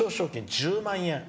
１０万円。